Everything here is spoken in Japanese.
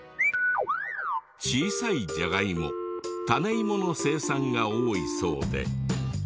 小さいジャガイモ種芋の生産が多いそうで。